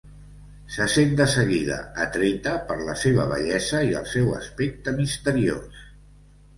Se sent de seguida atreta per la seva bellesa i el seu aspecte misteriós.